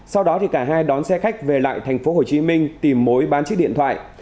sau đó cả hai đón xe khách về lại tp hcm tìm mối bán chiếc điện thoại